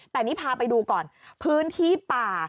แต่นี่พาไปดูก่อนพื้นที่ป่า